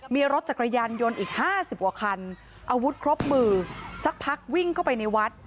มีรถจักรยานยนต์อีก๕๐กว่าคันอาวุธครบมือสักพักวิ่งเข้าไปในวัด